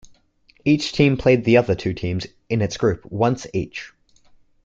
Each team played the other two teams in its group once each.